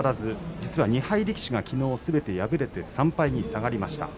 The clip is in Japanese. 実は２敗力士がきのうすべて敗れて３敗に下がりました。